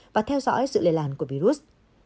và theo dõi sự lề làn của virus